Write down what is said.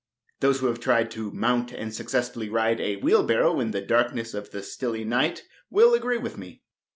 Those who have tried to mount and successfully ride a wheelbarrow in the darkness of the stilly night will agree with me.